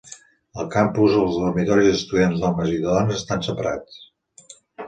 Al campus els dormitoris d'estudiants d'homes i de dones estan separats.